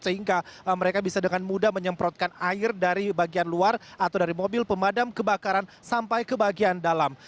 sehingga mereka bisa dengan mudah menyemprotkan air dari bagian luar atau dari mobil pemadam kebakaran sampai ke bagian dalam